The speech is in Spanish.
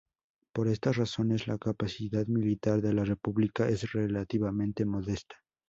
Por estas razones, la capacidad militar de la República es relativamente modesta.